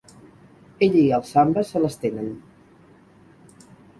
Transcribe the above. Ell i el Samba se les tenen.